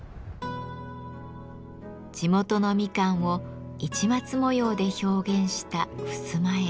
地元のみかんを市松模様で表現したふすま絵。